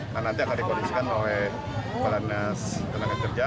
nanti akan dikondisikan oleh peranas tenaga kerja